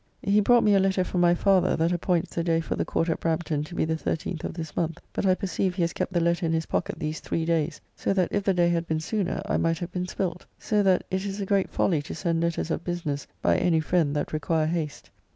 He brought me a letter from my father, that appoints the day for the Court at Brampton to be the 13th of this month; but I perceive he has kept the letter in his pocket these three days, so that if the day had been sooner, I might have been spilt. So that it is a great folly to send letters of business by any friend that require haste.